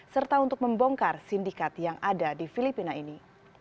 serta untuk membongkar sindikat yang ada di filipina ini